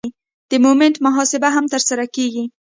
د مومنټ محاسبه هم ترسره کیږي